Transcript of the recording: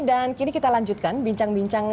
dan kini kita lanjutkan bincang bincang